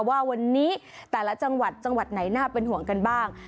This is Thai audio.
ว่าวันนี้แต่ละจังหวัดจังหวัดไหนน่าเป็นห่วงกันบ้าง